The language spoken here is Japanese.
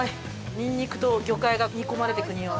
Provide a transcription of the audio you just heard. ニンニクと魚介が煮込まれてく匂い。